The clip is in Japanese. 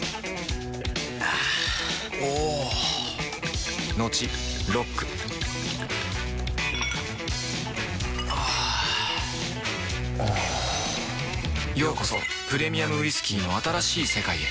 あぁおぉトクトクあぁおぉようこそプレミアムウイスキーの新しい世界へ